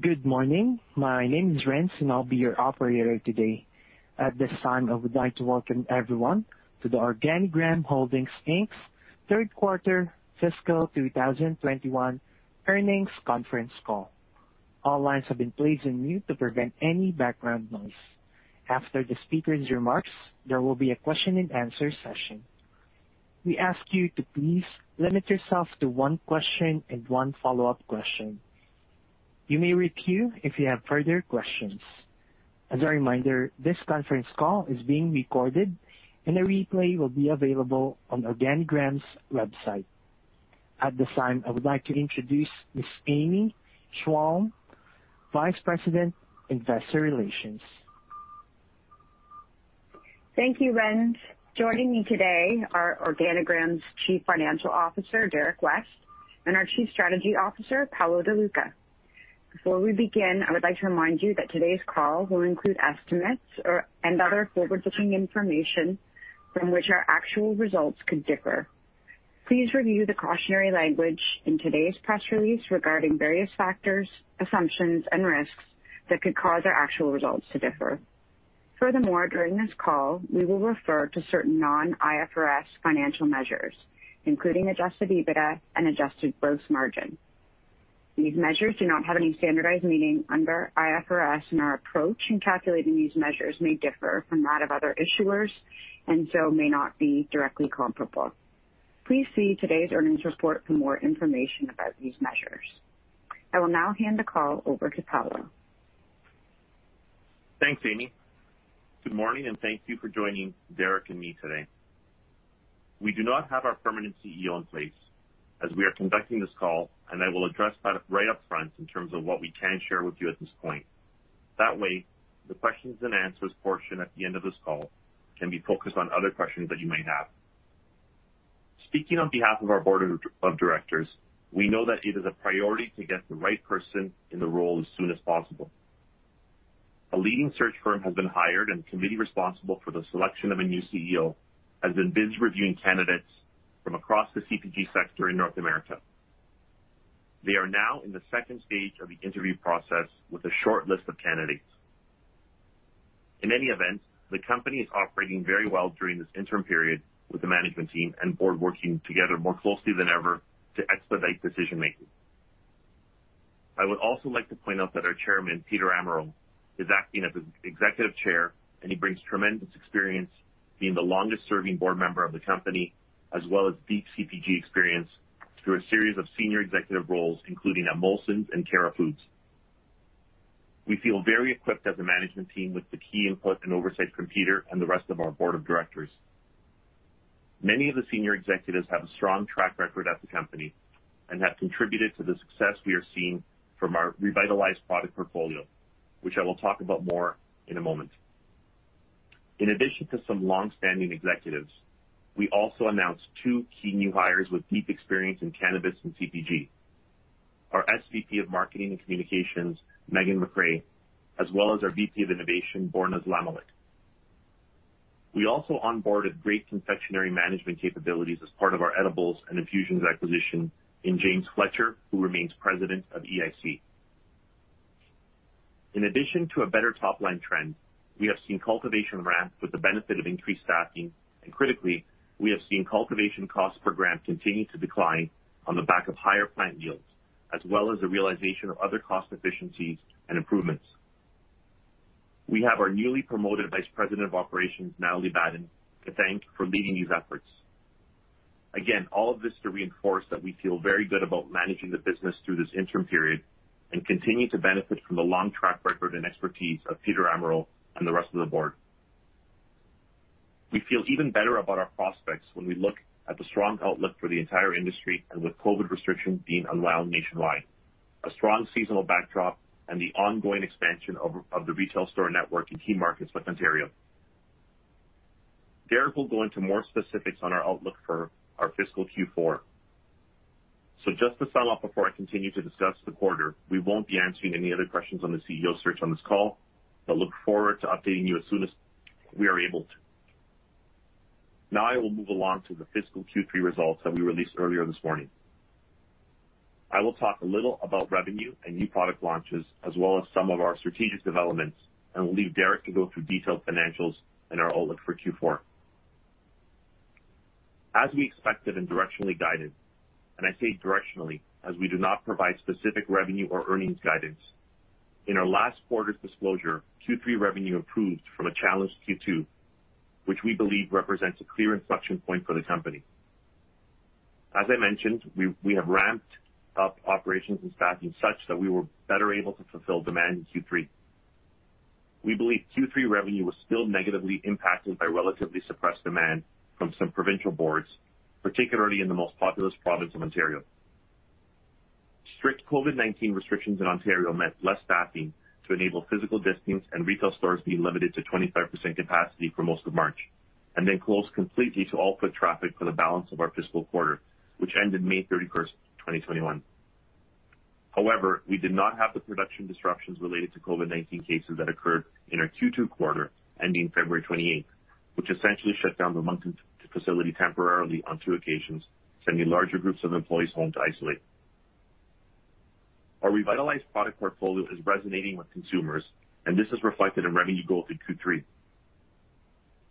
Good morning. My name is Renz, and I'll be your operator today. At this time, I would like to welcome everyone to the OrganiGram Holdings Inc third quarter fiscal 2021 earnings conference call. All lines have been placed on mute to prevent any background noise. After the speakers' remarks, there will be a question and answer session. We ask you to please limit yourself to one question and ONE follow-up question. You may queue if you have further questions. As a reminder, this conference call is being recorded and a replay will be available on OrganiGram's website. At this time, I would like to introduce Ms. Amy Schwalm, Vice President, Investor Relations. Thank you, Renz. Joining me today are OrganiGram's Chief Financial Officer, Derrick West, and our Chief Strategy Officer, Paolo De Luca. Before we begin, I would like to remind you that today's call will include estimates and other forward-looking information from which our actual results could differ. Please review the cautionary language in today's press release regarding various factors, assumptions, and risks that could cause our actual results to differ. During this call, we will refer to certain non-IFRS financial measures, including adjusted EBITDA and adjusted gross margin. These measures do not have any standardized meaning under IFRS. Our approach in calculating these measures may differ from that of other issuers and so may not be directly comparable. Please see today's earnings report for more information about these measures. I will now hand the call over to Paolo. Thanks, Amy. Good morning, and thank you for joining Derrick and me today. We do not have our permanent CEO in place as we are conducting this call, and I will address that right up front in terms of what we can share with you at this point. That way, the questions and answers portion at the end of this call can be focused on other questions that you may have. Speaking on behalf of our board of directors, we know that it is a priority to get the right person in the role as soon as possible. A leading search firm has been hired, and the committee responsible for the selection of a new CEO has been busy reviewing candidates from across the CPG sector in North America. They are now in the second stage of the interview process with a short list of candidates. In any event, the company is operating very well during this interim period with the management team and board working together more closely than ever to expedite decision-making. I would also like to point out that our Chairman, Peter Amirault, is acting as Executive Chair, and he brings tremendous experience being the longest-serving board member of the company as well as deep CPG experience through a series of senior executive roles, including at Molson's and Cara Foods. We feel very equipped as a management team with the key input and oversight from Peter and the rest of our board of directors. Many of the senior executives have a strong track record at the company and have contributed to the success we are seeing from our revitalized product portfolio, which I will talk about more in a moment. In addition to some longstanding executives, we also announced two key new hires with deep experience in cannabis and CPG. Our SVP of Marketing and Communications, Megan McCrae, as well as our VP of Innovation, Borna Zlamalik. We also onboarded great confectionery management capabilities as part of our edibles and infusions acquisition in James Fletcher, who remains President of EIC. In addition to a better top-line trend, we have seen cultivation ramp with the benefit of increased staffing, and critically, we have seen cultivation cost per gram continue to decline on the back of higher plant yields, as well as the realization of other cost efficiencies and improvements. We have our newly promoted Vice President of Operations, Nathalie Batten, to thank for leading these efforts. Again, all of this to reinforce that we feel very good about managing the business through this interim period and continuing to benefit from the long track record and expertise of Peter Amirault and the rest of the board. We feel even better about our prospects when we look at the strong outlook for the entire industry and with COVID restrictions being unwound nationwide, a strong seasonal backdrop, and the ongoing expansion of the retail store network in key markets like Ontario. Derrick will go into more specifics on our outlook for our fiscal Q4. Just to follow up before I continue to discuss the quarter, we won't be answering any other questions on the CEO search on this call, but look forward to updating you as soon as we are able to. Now I will move along to the fiscal Q3 results that we released earlier this morning. I will talk a little about revenue and new product launches as well as some of our strategic developments, and will leave Derrick to go through detailed financials and our outlook for Q4. As we expected and directionally guided, and I say directionally as we do not provide specific revenue or earnings guidance. In our last quarter's disclosure, Q3 revenue improved from a challenged Q2, which we believe represents a clear inflection point for the company. As I mentioned, we have ramped up operations and staffing such that we were better able to fulfill demand in Q3. We believe Q3 revenue was still negatively impacted by relatively suppressed demand from some provincial boards, particularly in the most populous province of Ontario. Strict COVID-19 restrictions in Ontario meant less staffing to enable physical distancing and retail stores being limited to 25% capacity for most of March, and then closed completely to all foot traffic for the balance of our fiscal quarter, which ended May 31st, 2021. However, we did not have the production disruptions related to COVID-19 cases that occurred in our Q2 quarter, ending February 28th, which essentially shut down the Moncton facility temporarily on two occasions, sending larger groups of employees home to isolate. Our revitalized product portfolio is resonating with consumers, and this is reflected in revenue growth in Q3.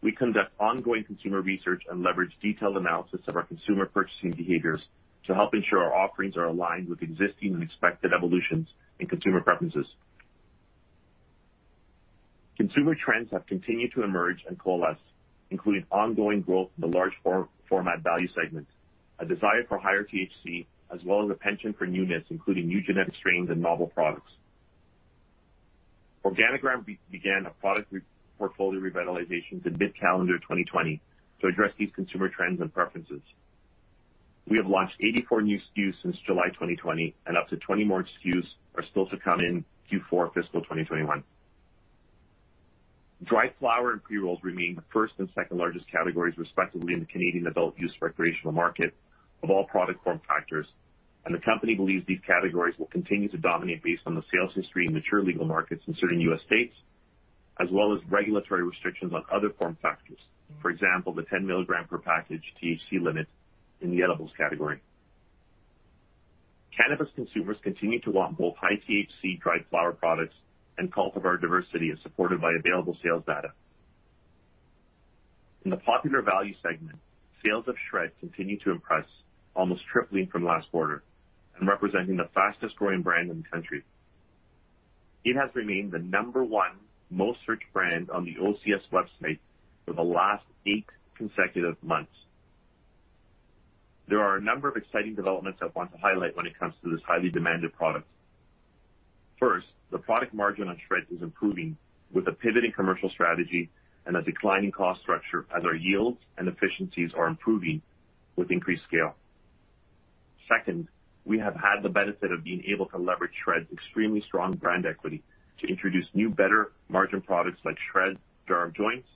We conduct ongoing consumer research and leverage detailed analysis of our consumer purchasing behaviors to help ensure our offerings are aligned with existing and expected evolutions in consumer preferences. Consumer trends have continued to emerge and coalesce, including ongoing growth in the large format value segment, a desire for higher THC, as well as a penchant for new units, including new genetic strains and novel products. OrganiGram began a product portfolio revitalization in mid-calendar 2020 to address these consumer trends and preferences. We have launched 84 new SKUs since July 2020, and up to 20 more SKUs are still to come in Q4 fiscal 2021. Dry flower and pre-rolls remain the first and second largest categories, respectively, in the Canadian adult use recreational market of all product form factors, and the company believes these categories will continue to dominate based on the sales history in mature legal markets in certain U.S. states, as well as regulatory restrictions on other form factors. For example, the 10 mg per package THC limit in the edibles category. Cannabis consumers continue to want both high THC dried flower products and cultivar diversity as supported by available sales data. In the popular value segment, sales of SHRED continue to impress, almost tripling from last quarter and representing the fastest growing brand in the country. It has remained the number one most searched brand on the OCS website for the last eight consecutive months. There are a number of exciting developments I want to highlight when it comes to this highly demanded product. First, the product margin on SHRED is improving with a pivot in commercial strategy and a declining cost structure as our yields and efficiencies are improving with increased scale. Second, we have had the benefit of being able to leverage SHRED's extremely strong brand equity to introduce new, better margin products like SHRED Jar of Joints,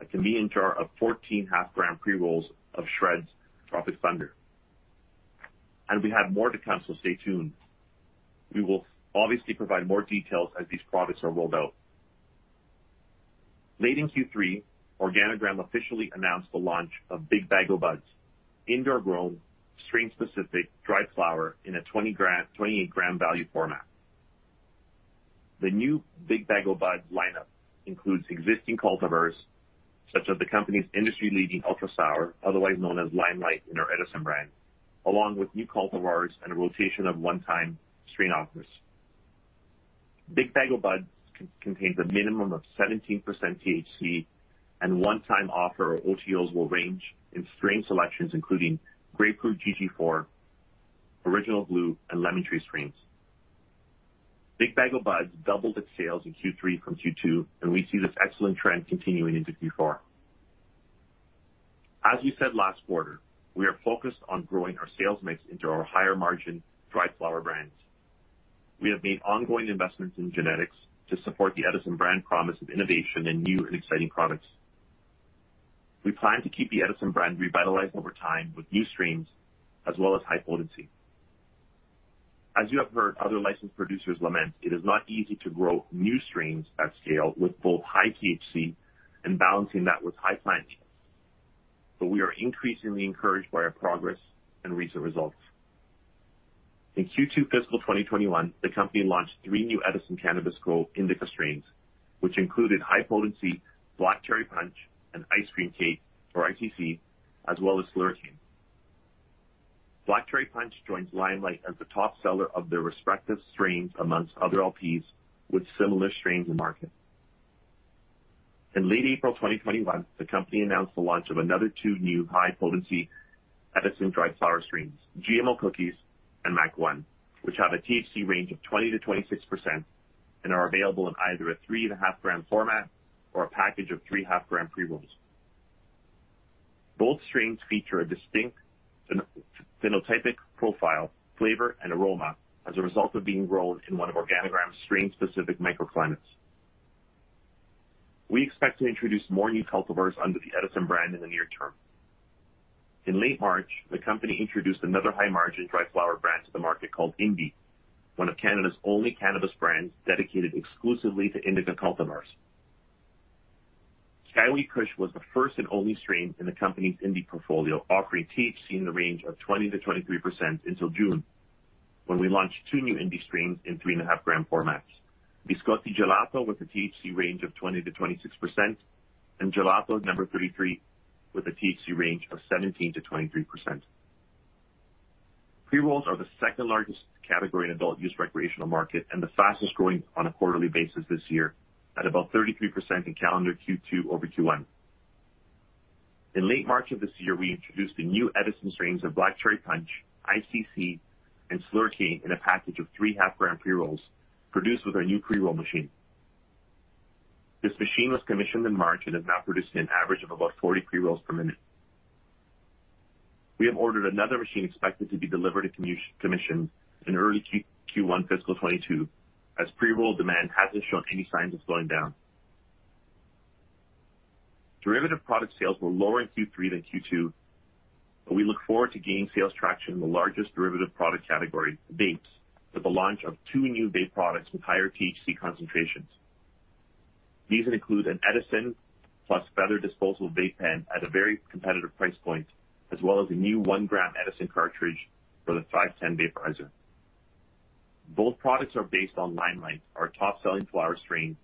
a convenient jar of 14 half g pre-rolls of SHRED's Tropic Thunder. We have more to come, so stay tuned. We will obviously provide more details as these products are rolled out. Late in Q3, OrganiGram officially announced the launch of Big Bag o' Buds, indoor-grown, strain-specific dried flower in a 28 g value format. The new Big Bag o' Buds lineup includes existing cultivars such as the company's industry-leading Ultra Sour, otherwise known as Limelight in our Edison brand, along with new cultivars and a rotation of one-time strain offers. Big Bag o' Buds contains a minimum of 17% THC, and one-time offer or OTOs will range in strain selections including Grapefruit GG4, Original Glue, and Lemon Tree strains. Big Bag o' Buds doubled its sales in Q3 from Q2, and we see this excellent trend continuing into Q4. As we said last quarter, we are focused on growing our sales mix into our higher-margin dried flower brands. We have made ongoing investments in genetics to support the Edison brand promise of innovation in new and exciting products. We plan to keep the Edison brand revitalized over time with new strains as well as high potency. As you have heard other licensed producers lament, it is not easy to grow new strains at scale with both high THC and balancing that with high plant counts. We are increasingly encouraged by our progress and recent results. In Q2 fiscal 2021, the company launched three new Edison Cannabis Co. indica strains, which included high-potency Black Cherry Punch and Ice Cream Cake, or I.C.C., as well as Slurricane. Black Cherry Punch joins Limelight as the top seller of their respective strains amongst other LPs with similar strains in market. In late April 2021, the company announced the launch of another two new high-potency Edison dried flower strains, GMO Cookies and MAC-1, which have a THC range of 20%-26% and are available in either a 3.5 g format or a package of 3 half g pre-rolls. Both strains feature a distinct phenotypic profile, flavor, and aroma as a result of being grown in one of OrganiGram's strain-specific microclimates. We expect to introduce more new cultivars under the Edison brand in the near term. In late March, the company introduced another high-margin dried flower brand to the market called Indi, one of Canada's only cannabis brands dedicated exclusively to indica cultivars. Skyway Kush was the first and only strain in the company's Indi portfolio, offering THC in the range of 20%-23% until June, when we launched two new Indi strains in 3.5 g formats. Biscotti Gelato with a THC range of 20%-26%, and Gelato #33 with a THC range of 17%-23%. Pre-rolls are the second-largest category in adult use recreational market and the fastest growing on a quarterly basis this year, at about 33% in calendar Q2 over Q1. In late March of this year, we introduced the new Edison strains of Black Cherry Punch, I.C.C., and Slurricane in a package of three half-gram pre-rolls produced with our new pre-roll machine. This machine was commissioned in March and is now producing an average of about 40 pre-rolls per minute. We have ordered another machine expected to be delivered and commissioned in early Q1 fiscal 2022, as pre-roll demand hasn't shown any signs of going down. Derivative product sales were lower in Q3 than Q2. We look forward to gaining sales traction in the largest derivative product category, vapes, with the launch of two two new vape products with higher THC concentrations. These include an Edison + Feather disposable vape pen at a very competitive price point, as well as a new 1 g Edison cartridge for the 510 vape riser. Both products are based on Limelight, our top-selling flower strain,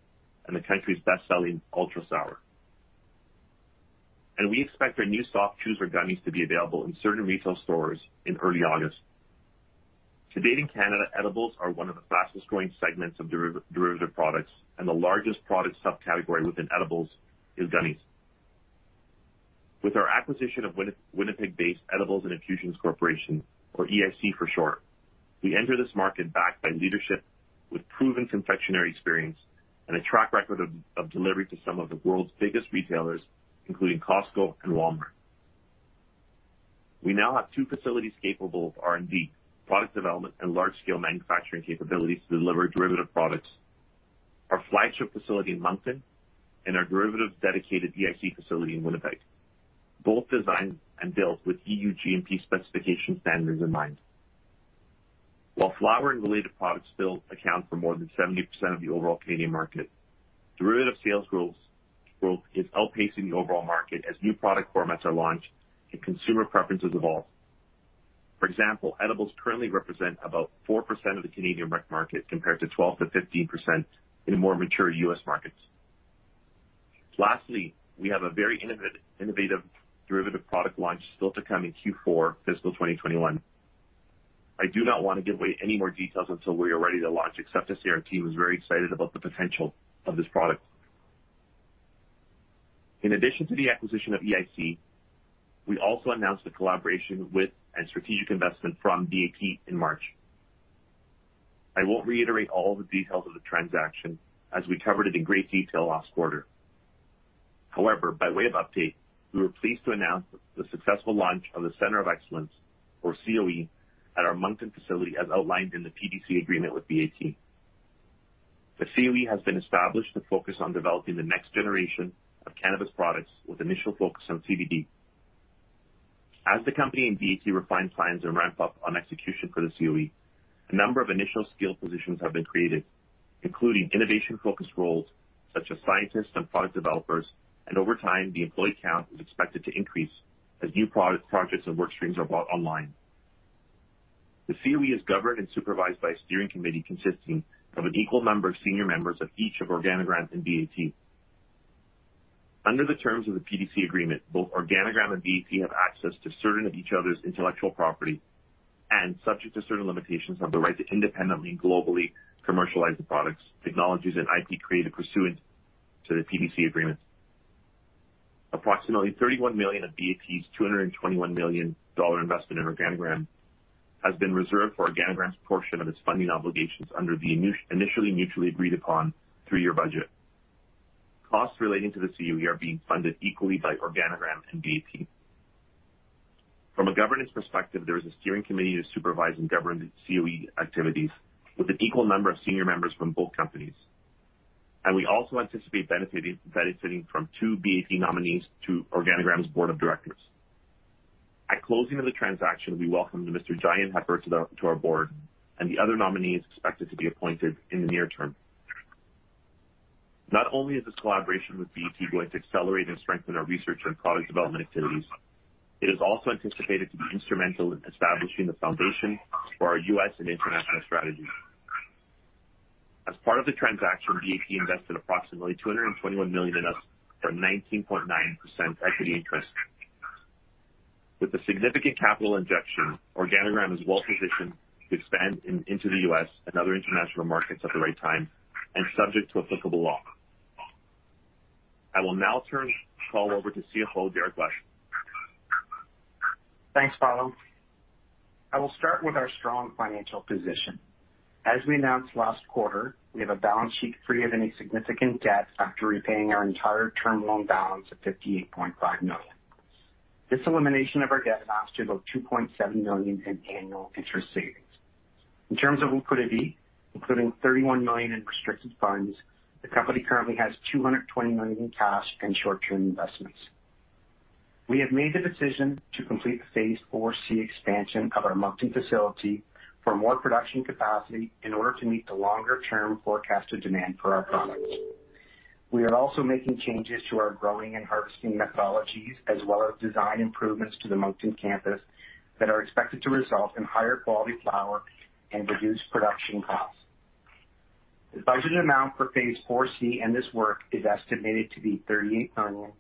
and the country's best-selling Ultra Sour. We expect our new soft chews or gummies to be available in certain retail stores in early August. Today in Canada, edibles are one of the fastest-growing segments of derivative products, and the largest product subcategory within edibles is gummies. With our acquisition of Winnipeg-based Edibles & Infusions Corporation, or EIC for short, we enter this market backed by leadership with proven confectionery experience and a track record of delivery to some of the world's biggest retailers, including Costco and Walmart. We now have two facilities capable of R&D, product development, and large-scale manufacturing capabilities to deliver derivative products. Our flagship facility in Moncton and our derivative-dedicated EIC facility in Winnipeg, both designed and built with EU GMP specification standards in mind. While flower and related products still account for more than 70% of the overall Canadian market, derivative sales growth is outpacing the overall market as new product formats are launched and consumer preferences evolve. For example, edibles currently represent about 4% of the Canadian rec market, compared to 12%-15% in more mature U.S. markets. Lastly, we have a very innovative derivative product launch still to come in Q4 fiscal 2021. I do not want to give away any more details until we are ready to launch, except to say our team is very excited about the potential of this product. In addition to the acquisition of EIC, we also announced a collaboration with and strategic investment from BAT in March. I won't reiterate all the details of the transaction, as we covered it in great detail last quarter. However, by way of update, we were pleased to announce the successful launch of the Center of Excellence, or CoE, at our Moncton facility, as outlined in the PDC agreement with BAT. The CoE has been established to focus on developing the next generation of cannabis products, with initial focus on CBD. As the company and BAT refine plans and ramp up on execution for the CoE, a number of initial scale positions have been created, including innovation-focused roles such as scientists and product developers, and over time, the employee count is expected to increase as new product projects and work streams are brought online. The CoE is governed and supervised by a steering committee consisting of an equal number of senior members of each of OrganiGram and BAT. Under the terms of the PDC agreement, both OrganiGram and BAT have access to certain of each other's intellectual property and, subject to certain limitations, have the right to independently globally commercialize the products, technologies, and IP created pursuant to the PDC agreement. Approximately 31 million of BAT's 221 million dollar investment in OrganiGram has been reserved for OrganiGram's portion of its funding obligations under the initially mutually agreed-upon three-year budget. Costs relating to the CoE are being funded equally by OrganiGram and BAT. From a governance perspective, there is a steering committee to supervise and govern the CoE activities with an equal number of senior members from both companies. We also anticipate benefiting from two BAT nominees to OrganiGram's board of directors. At closing of the transaction, we welcomed Mr. Jeyan Heper to our board. The other nominee is expected to be appointed in the near term. Not only is this collaboration with BAT going to accelerate and strengthen our research and product development activities, it is also anticipated to be instrumental in establishing the foundation for our U.S. and international strategies. As part of the transaction, BAT invested approximately 221 million in us for a 19.9% equity interest. With a significant capital injection, OrganiGram is well-positioned to expand into the U.S. and other international markets at the right time and subject to applicable law. I will now turn the call over to CFO, Derrick West. Thanks, Paolo De Luca. I will start with our strong financial position. As we announced last quarter, we have a balance sheet free of any significant debt after repaying our entire term loan balance of 58.5 million. This elimination of our debt amounts to about 2.7 million in annual interest savings. In terms of liquidity, including 31 million in restricted funds, the company currently has 220 million in cash and short-term investments. We have made the decision to complete the phase IV-c expansion of our Moncton facility for more production capacity in order to meet the longer-term forecasted demand for our products. We are also making changes to our growing and harvesting methodologies, as well as design improvements to the Moncton campus that are expected to result in higher-quality flower and reduced production costs. The budget amount for phase IV-c and this work is estimated to be CAD 38 million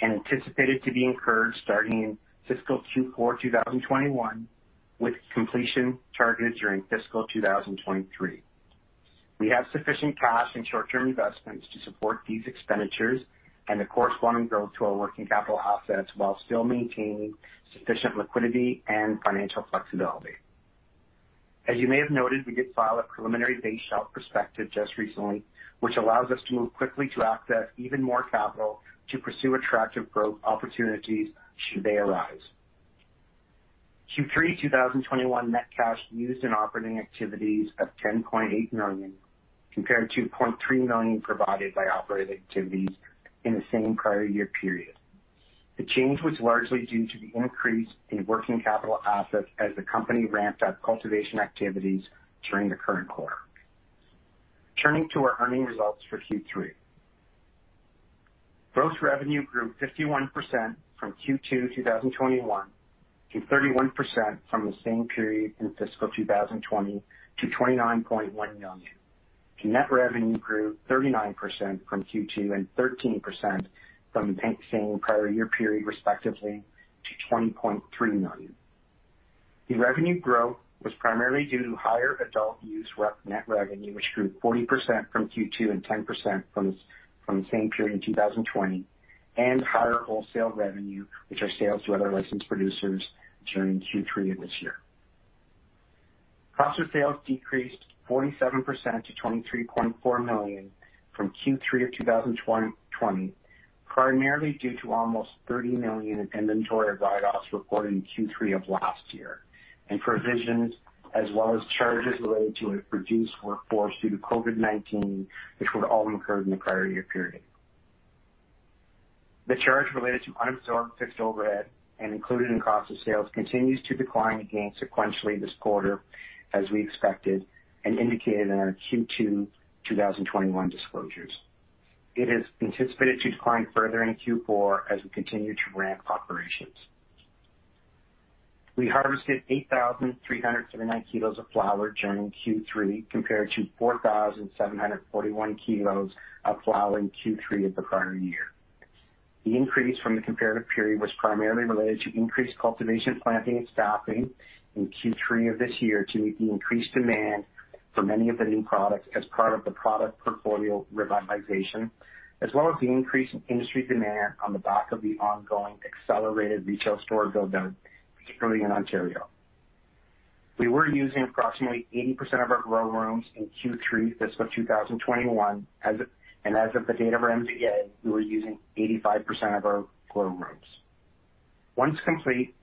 and anticipated to be incurred starting in fiscal 2Q 2021, with completion targeted during fiscal 2023. We have sufficient cash and short-term investments to support these expenditures and the corresponding growth to our working capital assets while still maintaining sufficient liquidity and financial flexibility. As you may have noted, we did file a preliminary base shelf prospectus just recently, which allows us to move quickly to access even more capital to pursue attractive growth opportunities should they arise. Q3 2021 net cash used in operating activities of 10.8 million, compared to 0.3 million provided by operating activities in the same prior-year period. The change was largely due to the increase in working capital assets as the company ramped up cultivation activities during the current quarter. Turning to our earnings results for Q3. Gross revenue grew 51% from Q2 2021, to 31% from the same period in fiscal 2020 to 29.1 million. Net revenue grew 39% from Q2 and 13% from the same prior year period respectively, to 20.3 million. The revenue growth was primarily due to higher adult-use net revenue, which grew 40% from Q2 and 10% from the same period in 2020, and higher wholesale revenue, which are sales to other licensed producers during Q3 of this year. Cost of sales decreased 47% to 23.4 million from Q3 2020, primarily due to almost 30 million in inventory write-offs recorded in Q3 last year, and provisions as well as charges related to a reduced workforce due to COVID-19, which would all occur in the prior year period. The charge related to unabsorbed fixed overhead and included in cost of sales continues to decline again sequentially this quarter as we expected and indicated in our Q2 2021 disclosures. It is anticipated to decline further in Q4 as we continue to ramp operations. We harvested 8,379 kilos of flower during Q3, compared to 4,741 kg of flower in Q3 prior year. The increase from the comparative period was primarily related to increased cultivation, planting, and staffing in Q3 of this year to meet the increased demand for many of the new products as part of the product portfolio revitalization, as well as the increase in industry demand on the back of the ongoing accelerated retail store build-out, particularly in Ontario. We were using approximately 80% of our grow rooms in Q3 fiscal 2021, and as of the date of our MD&A, we were using 85% of our grow rooms. Once complete,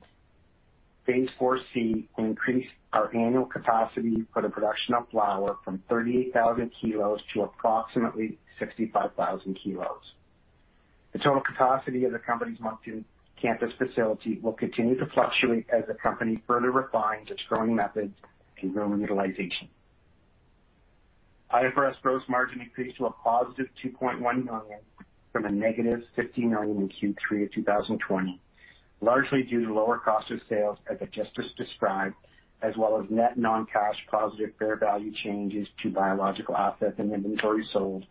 phase IV-c will increase our annual capacity for the production of flower from 38,000 kg to approximately 65,000 kg. The total capacity of the company's Moncton campus facility will continue to fluctuate as the company further refines its growing methods and grow room utilization. IFRS gross margin increased to a positive 2.1 million from a negative 50 million in Q3 of 2020, largely due to lower cost of sales, as I just described, as well as net non-cash positive fair value changes to biological assets and inventory sold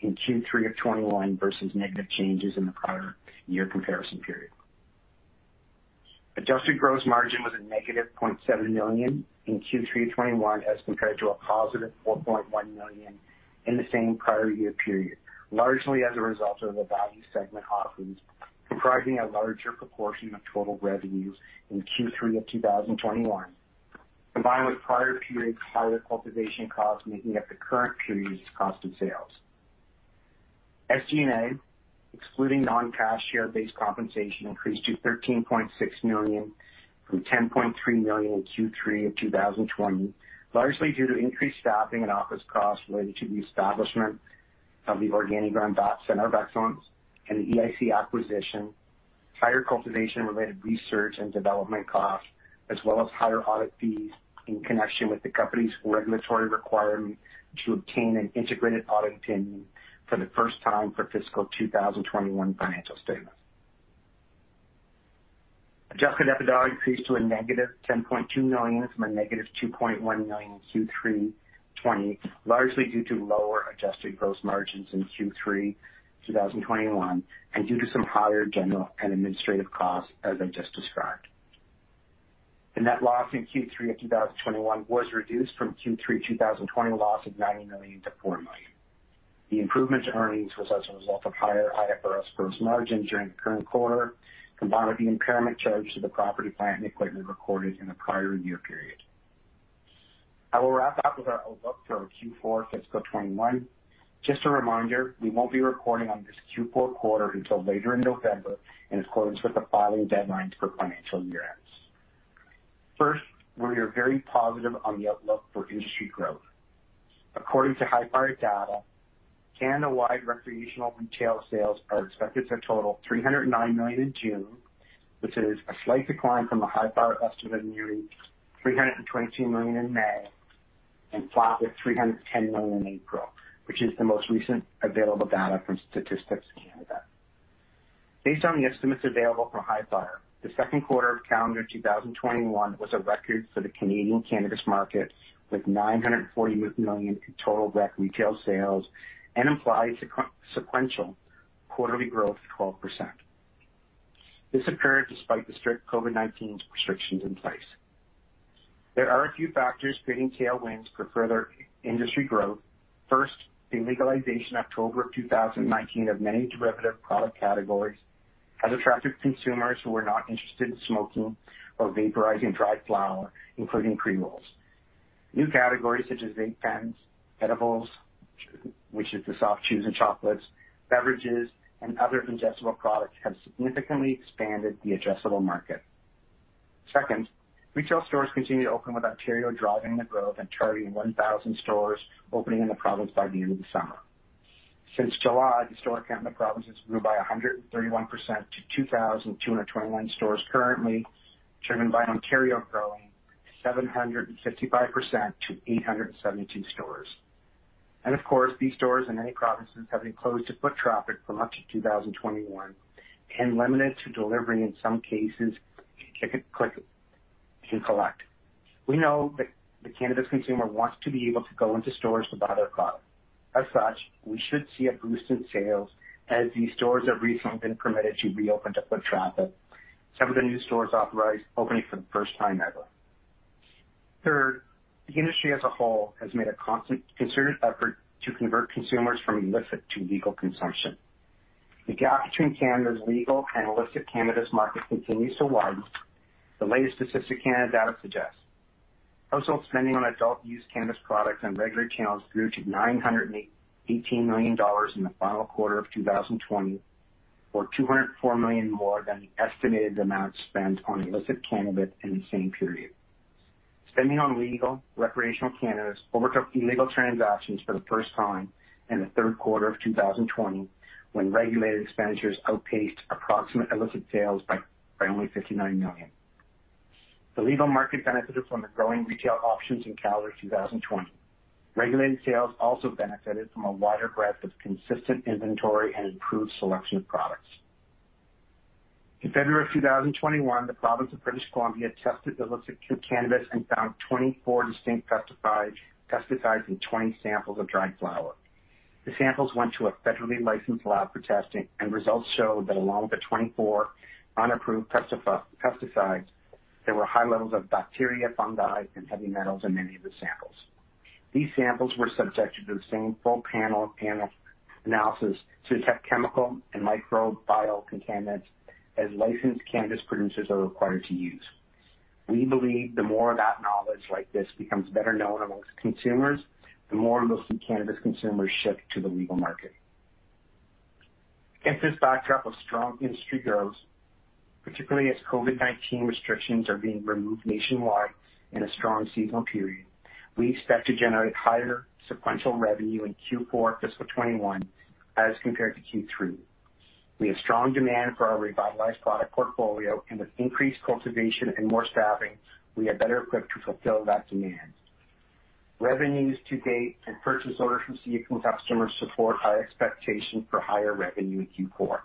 in Q3 of 2021 versus negative changes in the prior year comparison period. Adjusted gross margin was a -0.7 million in Q3 2021 as compared to a 4.1 million in the same prior year period, largely as a result of the value segment offerings comprising a larger proportion of total revenues in Q3 of 2021, combined with prior periods' higher cultivation costs making up the current period's cost of sales. SG&A, excluding non-cash share-based compensation, increased to 13.6 million from 10.3 million in Q3 of 2020, largely due to increased staffing and office costs related to the establishment of the OrganiGram-BAT Center of Excellence and the EIC acquisition, higher cultivation-related research and development costs, as well as higher audit fees in connection with the company's regulatory requirement to obtain an integrated audit opinion for the first time for fiscal 2021 financial statements. Adjusted EBITDA increased to a negative 10.2 million from a negative 2.1 million in Q3 2020, largely due to lower adjusted gross margins in Q3 2021, and due to some higher general and administrative costs, as I just described. The net loss in Q3 of 2021 was reduced from Q3 2020 loss of 9 million to 4 million. The improvement to earnings was as a result of higher IFRS gross margin during the current quarter, combined with the impairment charge to the property, plant, and equipment recorded in the prior year period. I will wrap up with our outlook for our Q4 fiscal 2021. Just a reminder, we won't be reporting on this Q4 quarter until later in November in accordance with the filing deadlines for financial year-ends. We are very positive on the outlook for industry growth. According to Hifyre data, Canada-wide recreational retail sales are expected to total 309 million in June, which is a slight decline from a Hifyre estimate of nearly 322 million in May, and flat with 310 million in April, which is the most recent available data from Statistics Canada. Based on the estimates available from Hifyre, the second quarter of calendar 2021 was a record for the Canadian cannabis market, with 940 million in total rec retail sales and implied sequential quarterly growth of 12%. This occurred despite the strict COVID-19 restrictions in place. There are a few factors tailwinds for further industry growth. First, the legalization October of 2019 of many derivative product categories has attracted consumers who are not interested in smoking or vaporizing dried flower, including pre-rolls. New categories such as vape pens, edibles, which is the soft chews and chocolates, beverages, and other ingestible products have significantly expanded the addressable market. Second, retail stores continue to open with Ontario driving the growth and targeting 1,000 stores opening in the province by the end of the summer. Since July, the store count in the provinces grew by 131% to 2,221 stores currently, driven by Ontario growing 755% to 872 stores. Of course, these stores in many provinces have been closed to foot traffic for much of 2021 and limited to delivery in some cases to click and collect. We know that the cannabis consumer wants to be able to go into stores to buy their product. As such, we should see a boost in sales as these stores have recently been permitted to reopen to foot traffic. Some of the new stores authorized opening for the first time ever. Third, the industry as a whole has made a concerted effort to convert consumers from illicit to legal consumption. The gap between Canada's legal and illicit cannabis markets continues to widen, the latest Statistics Canada data suggests. Household spending on adult-use cannabis products on regulated channels grew to 918 million dollars in the final quarter of 2020, or 204 million more than the estimated amount spent on illicit cannabis in the same period. Spending on legal, recreational cannabis overtook illegal transactions for the first time in the 3rd quarter of 2020, when regulated expenditures outpaced approximate illicit sales by only 59 million. The legal market benefited from the growing retail options in calendar 2020. Regulated sales also benefited from a wider breadth of consistent inventory and improved selection of products. In February of 2021, the province of British Columbia tested illicit cannabis and found 24 distinct pesticides in 20 samples of dried flower. The samples went to a federally licensed lab for testing, and results showed that along with the 24 unapproved pesticides, there were high levels of bacteria, fungi, and heavy metals in many of the samples. These samples were subjected to the same full panel analysis to detect chemical and microbial contaminants as licensed cannabis producers are required to use. We believe the more that knowledge like this becomes better known amongst consumers, the more illicit cannabis consumers shift to the legal market. Against this backdrop of strong industry growth, particularly as COVID-19 restrictions are being removed nationwide in a strong seasonal period, we expect to generate higher sequential revenue in Q4 fiscal 2021 as compared to Q3. We have strong demand for our revitalized product portfolio, and with increased cultivation and more staffing, we are better equipped to fulfill that demand. Revenues to date and purchase orders received from customers support our expectation for higher revenue in Q4.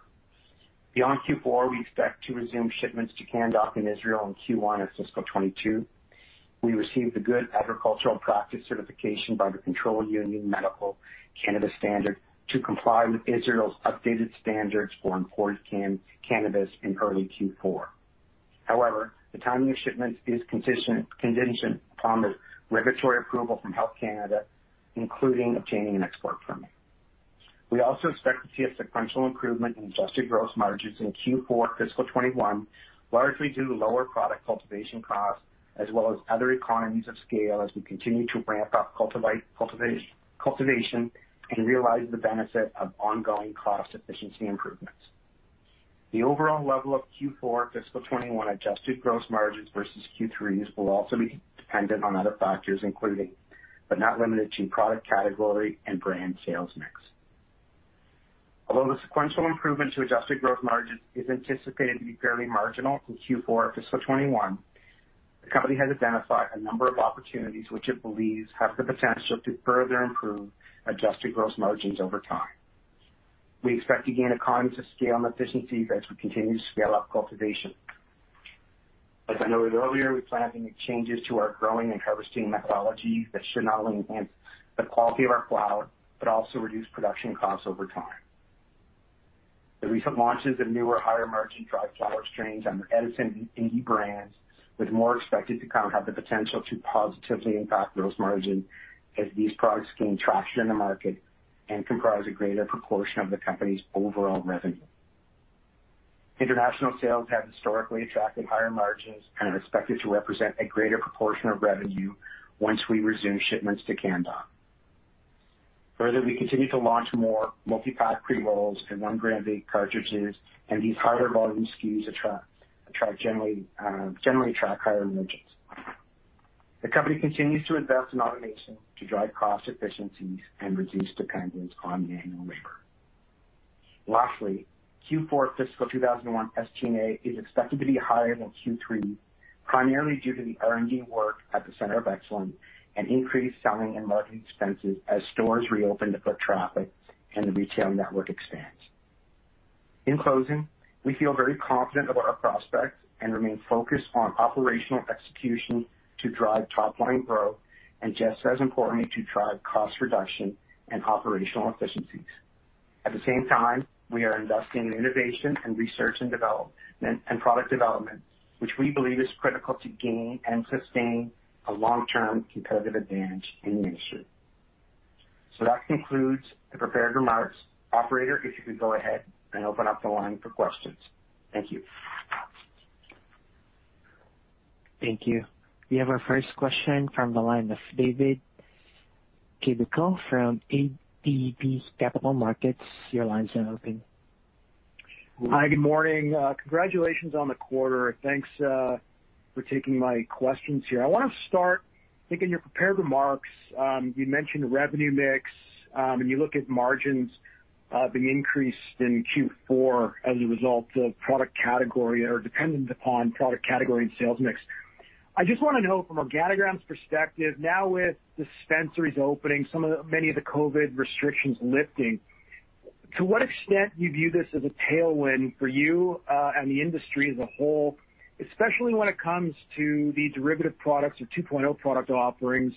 Beyond Q4, we expect to resume shipments to Canndoc in Israel in Q1 of fiscal 2022. We received the Good Agricultural Practice certification by the Control Union Medical Cannabis Standard to comply with Israel's updated standards for imported cannabis in early Q4. However, the timing of shipments is contingent upon the regulatory approval from Health Canada, including obtaining an export permit. We also expect to see a sequential improvement in adjusted gross margins in Q4 fiscal 2021, largely due to lower product cultivation costs as well as other economies of scale as we continue to ramp up cultivation and realize the benefit of ongoing cost efficiency improvements. The overall level of Q4 fiscal 2021 adjusted gross margins versus Q3's will also be dependent on other factors including, but not limited to, product category and brand sales mix. Although the sequential improvement to adjusted gross margin is anticipated to be fairly marginal for Q4 fiscal 2021, the company has identified a number of opportunities which it believes have the potential to further improve adjusted gross margins over time. We expect to gain economies of scale and efficiency as we continue to scale up cultivation. As I noted earlier, we plan to make changes to our growing and harvesting methodology that should not only enhance the quality of our flower, but also reduce production costs over time. The recent launches of newer, higher-margin dried flower strains under the Edison and Indi brands, with more expected to come, have the potential to positively impact gross margin as these products gain traction in the market and comprise a greater proportion of the company's overall revenue. International sales have historically attracted higher margins and are expected to represent a greater proportion of revenue once we resume shipments to Canndoc. We continue to launch more multi-pack pre-rolls and 1 g vape cartridges, and these higher-margin SKUs generally attract higher margins. The company continues to invest in automation to drive cost efficiencies and reduce dependence on manual labor. Lastly, Q4 fiscal 2001 SG&A is expected to be higher than Q3, primarily due to the R&D work at the Center of Excellence and increased selling and marketing expenses as stores reopen to foot traffic and the retail network expands. In closing, we feel very confident about our prospects and remain focused on operational execution to drive top-line growth, and just as importantly, to drive cost reduction and operational efficiencies. At the same time, we are investing in innovation and research and development, and product development, which we believe is critical to gain and sustain a long-term competitive advantage in the industry. That concludes the prepared remarks. Operator, if you could go ahead and open up the line for questions. Thank you. Thank you. We have our first question from the line of David Kideckel from ATB Capital Markets. Your line is now open. Hi, good morning. Congratulations on the quarter. Thanks for taking my questions here. I want to start, I think in your prepared remarks, you mentioned the revenue mix, and you look at margins being increased in Q4 as a result of product category or dependent upon product category and sales mix. I just want to know from an OrganiGram's perspective now with dispensaries opening, many of the COVID restrictions lifting, to what extent you view this as a tailwind for you and the industry as a whole, especially when it comes to the derivative products or 2.0 product offerings,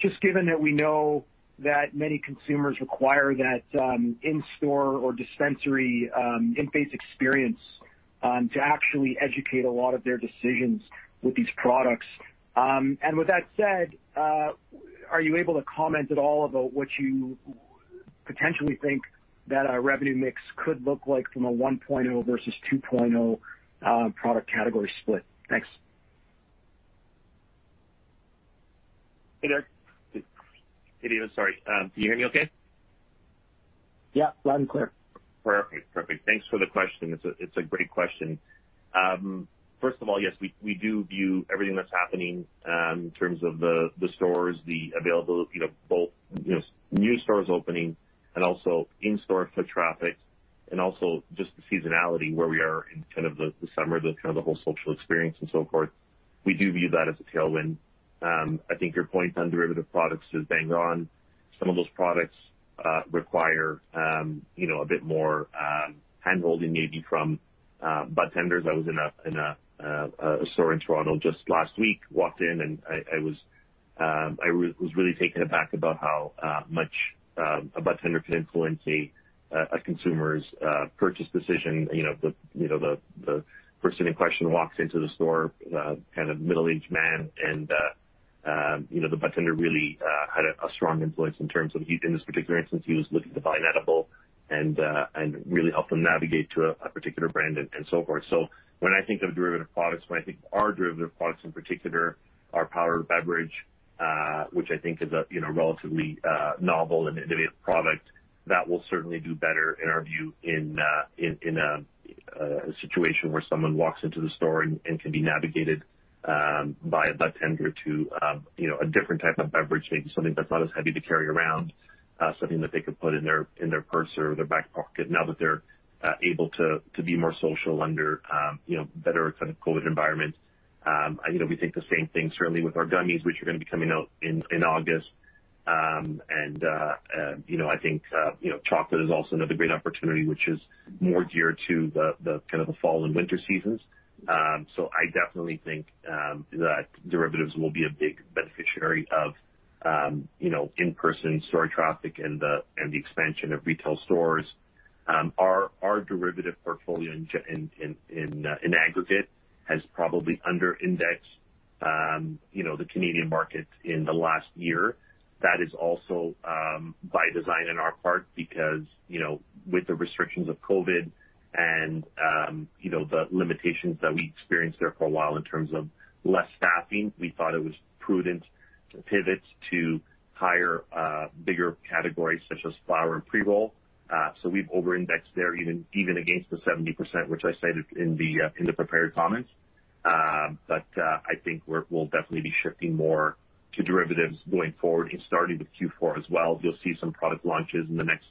just given that we know that many consumers require that in-store or dispensary in-base experience to actually educate a lot of their decisions with these products. With that said, are you able to comment at all about what you potentially think that a revenue mix could look like from a 1.0 versus 2.0 product category split? Thanks. Hey there. Sorry, can you hear me okay? Yeah, loud and clear. Perfect. Thanks for the question. It's a great question. First of all, yes, we do view everything that's happening in terms of the stores, the availability of both new stores opening and also in-store foot traffic and also just the seasonality where we are in the summer, the whole social experience and so forth. We do view that as a tailwind. I think your point on derivative products is bang on. Some of those products require a bit more hand-holding maybe from budtenders. I was in a store in Toronto just last week, walked in, and I was really taken aback about how much a budtender can influence a consumer's purchase decision. The person in question walks into the store, a middle-aged man, and the budtender really had a strong influence in terms of, in this particular instance, he was looking to buy an edible, and really helped them navigate to a particular brand and so forth. When I think of derivative products, when I think of our derivative products in particular, our powered beverage, which I think is a relatively novel and innovative product, that will certainly do better in our view in a situation where someone walks into the store and can be navigated by a budtender to a different type of beverage, something that's less heavy to carry around, something that they can put in their purse or their back pocket now that they're able to be more social under better COVID environments. I know we think the same thing, certainly with our gummies, which are going to be coming out in August. I think chocolate is also another great opportunity, which is more geared to the fall and winter seasons. I definitely think that derivatives will be a big beneficiary of in-person store traffic and the expansion of retail stores. Our derivative portfolio in aggregate has probably under-indexed the Canadian market in the last year. That is also by design on our part because, with the restrictions of COVID and the limitations that we experienced there for a while in terms of less staffing, we thought it was prudent to pivot to higher, bigger categories such as flower and pre-roll. We've over-indexed there even against the 70%, which I cited in the prepared comments. I think we'll definitely be shifting more to derivatives going forward and starting with Q4 as well. You'll see some product launches in the next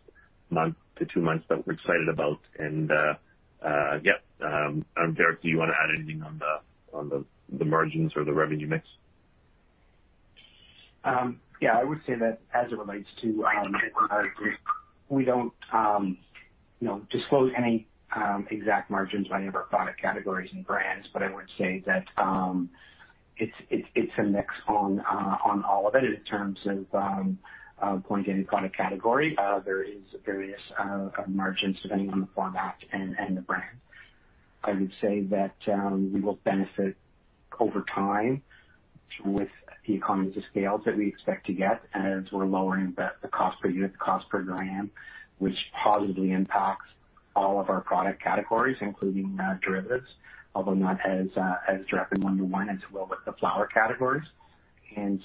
month to two months that we're excited about, and yeah. Derrick, do you want to add anything on the margins or the revenue mix? Yeah, I would say that. I agree. We don't disclose any exact margins on any of our product categories and brands, but I would say that it's a mix on all of it in terms of point data product category. There is various margins depending on the format and the brand. I would say that we will benefit over time with the economies of scale that we expect to get as we're lowering the cost per unit, cost per gram, which positively impacts all of our product categories, including derivatives, although not as directly one-to-one as we will with the flower categories. We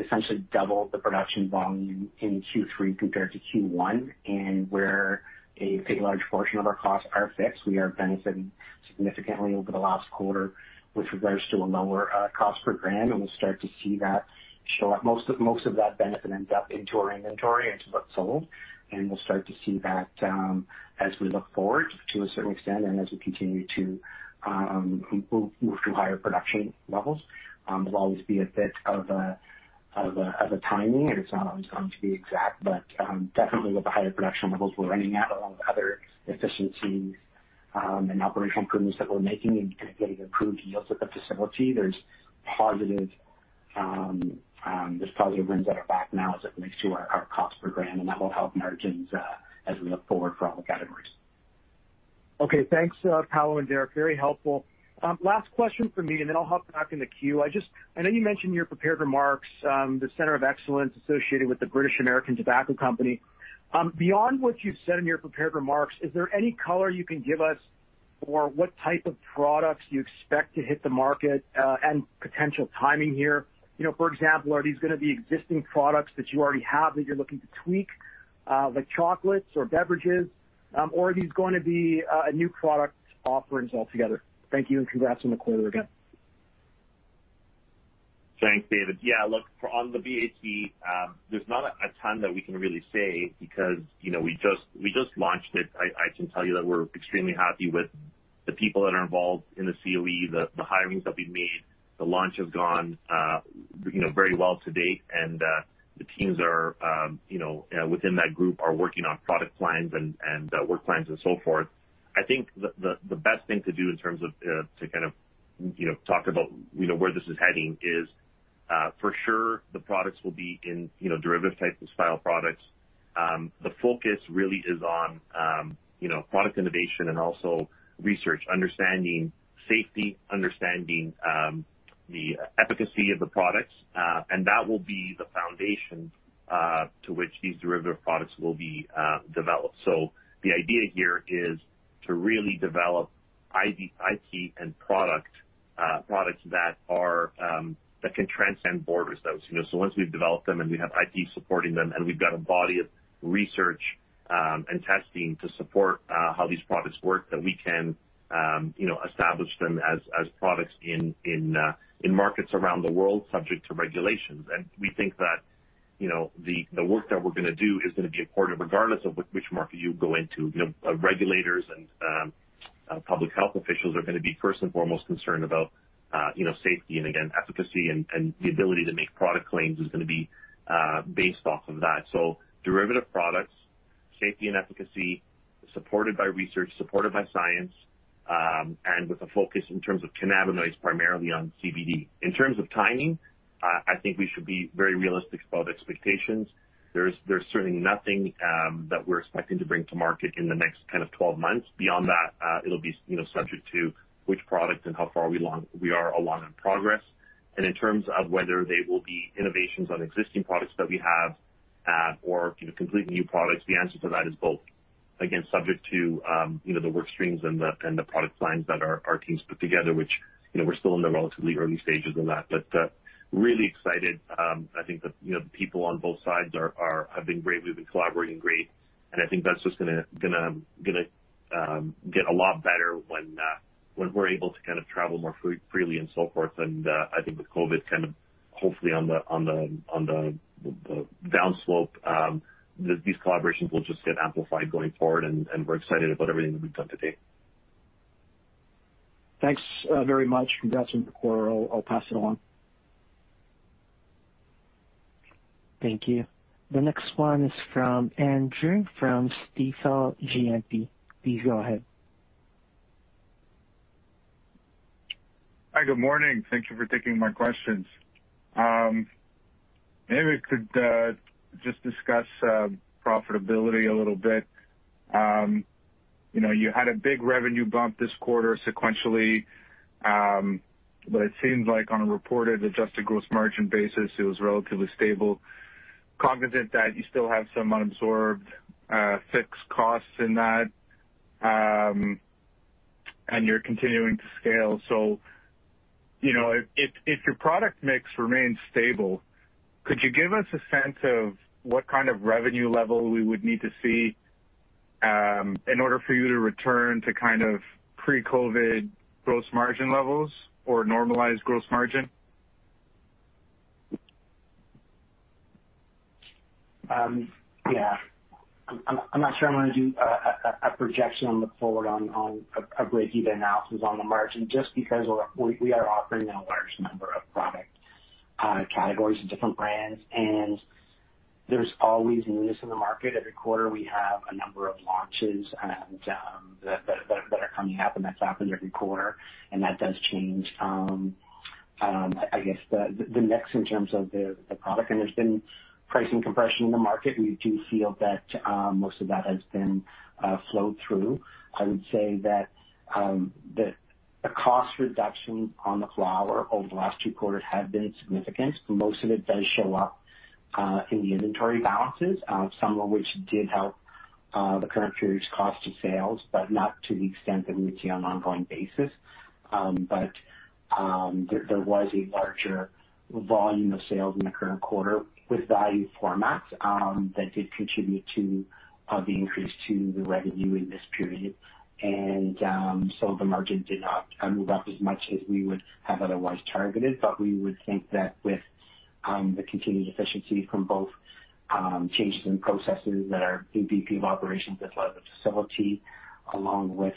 essentially doubled the production volume in Q3 compared to Q1, and where a large portion of our costs are fixed, we are benefiting significantly over the last quarter with regards to a lower cost per gram, and we'll start to see that show up. Most of that benefit ends up in inventory, into what's sold, and we'll start to see that as we look forward to a certain extent, and as we continue to move to higher production levels. There'll always be a bit of a timing, and it's not going to be exact, but definitely with the higher production levels, we're running at, a lot of the other efficiencies and operational improvements that we're making and getting approved deals with the facility. There's probably a wind at our back now as it relates to our cost per gram, and that will help margins as we look forward for all the categories. Okay. Thanks, Paolo and Derrick. Very helpful. Last question from me, and then I'll hop back in the queue. I know you mentioned in your prepared remarks, the Center of Excellence associated with the British American Tobacco Company. Beyond what you've said in your prepared remarks, is there any color you can give us for what type of products you expect to hit the market, and potential timing here? For example, are these going to be existing products that you already have that you're looking to tweak, like chocolates or beverages? Or are these going to be a new product offerings altogether? Thank you, and congrats on the quarter again. Thanks, David. Yeah, look, on the BAT, there's not a ton that we can really say because we just launched it. I can tell you that we're extremely happy with the people that are involved in the CoE, the hirings that we've made. The launch has gone very well to date. The teams within that group are working on product plans and work plans and so forth. I think the best thing to do in terms of to talk about where this is heading is, for sure the products will be in derivative types of style products. The focus really is on product innovation and also research, understanding safety, understanding the efficacy of the products. That will be the foundation to which these derivative products will be developed. The idea here is to really develop IP and products that can transcend borders. Once we develop them and we have IP supporting them, and we've got a body of research and testing to support how these products work, that we can establish them as products in markets around the world, subject to regulations. We think that the work that we're going to do is going to be important regardless of which market you go into. Regulators and public health officials are going to be first and foremost concerned about safety and, again, efficacy, and the ability to make product claims is going to be based off of that. Derivative products, safety and efficacy, supported by research, supported by science, and with a focus in terms of cannabinoids, primarily on CBD. In terms of timing, I think we should be very realistic about expectations. There's certainly nothing that we're expecting to bring to market in the next 12 months. Beyond that, it'll be subject to which product and how far we are along in progress. In terms of whether they will be innovations on existing products that we have or completely new products, the answer to that is both. Again, subject to the work streams and the product lines that our teams put together, which we're still in the relatively early stages of that. Really excited. I think the people on both sides have been great. We've been collaborating great, and I think that's just going to get a lot better when we're able to travel more freely and so forth. I think with COVID hopefully on the down slope, these collaborations will just get amplified going forward, and we're excited about everything we've done to date. Thanks very much. Congrats on the quarter. I'll pass it along. Thank you. The next one is from Andrew from Stifel GMP. Please go ahead. Hi, good morning. Thank you for taking my questions. Maybe we could just discuss profitability a little bit. You had a big revenue bump this quarter sequentially, but it seems like on a reported adjusted gross margin basis, it was relatively stable. Cognizant that you still have some unabsorbed fixed costs in that, and you're continuing to scale. If your product mix remains stable, could you give us a sense of what kind of revenue level we would need to see in order for you to return to pre-COVID gross margin levels or normalized gross margin? I'm not sure I want to do a projection on the forward on a break-even analysis on the margin, just because we are offering a large number of product categories and different brands. There's always newness in the market. Every quarter we have a number of launches that are coming up. That's happened every quarter, and that does change, I guess the mix in terms of the product. There's been pricing compression in the market. We do feel that most of that has been flowed through. I would say that the cost reduction on the flower over the last two quarters has been significant. Most of it does show up in the inventory balances, some of which did help the current period's cost of sales, but not to the extent that we see on an ongoing basis. There was a larger volume of sales in the current quarter with value formats that did contribute to the increase to the revenue in this period. The margin did not move up as much as we would have otherwise targeted. We would think that with the continued efficiency from both changes in processes that our BVP operations inside the facility, along with